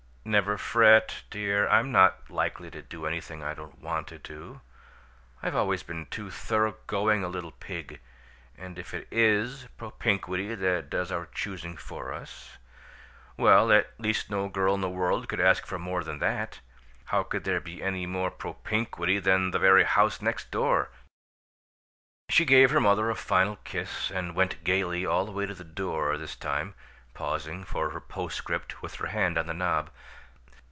"Never fret, dear! I'm not likely to do anything I don't want to do I've always been too thorough going a little pig! And if it IS propinquity that does our choosing for us, well, at least no girl in the world could ask for more than THAT! How could there be any more propinquity than the very house next door?" She gave her mother a final kiss and went gaily all the way to the door this time, pausing for her postscript with her hand on the knob.